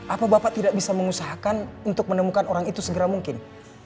apa bapak tidak bisa mengusahakan untuk menemukan orang itu segera mungkin